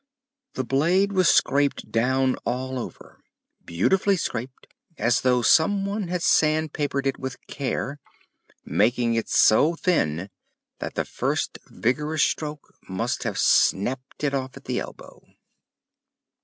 The blade was scraped down all over, beautifully scraped, as though someone had sand papered it with care, making it so thin that the first vigorous stroke must have snapped it off at the elbow.